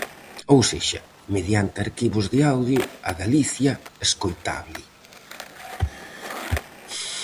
Ou sexa, mediante arquivos de audio: a Galicia escoitable.